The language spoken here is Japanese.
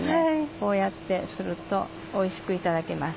こうやってするとおいしくいただけます。